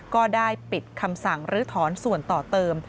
ก็ได้ปิดคำสั่งลื้อถอนส่วนต่อเติม